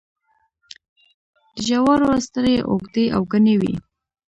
د جوارو سترۍ اوږدې او گڼې وي.